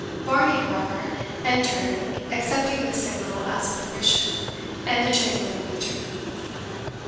Varney, however, entered, accepting this signal as a permission, and the chamberlain withdrew.